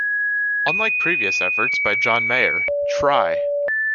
Unlike previous efforts by John Mayer, Try!